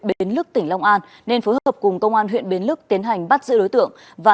bến lức tỉnh long an nên phối hợp cùng công an huyện bến lức tiến hành bắt giữ đối tượng và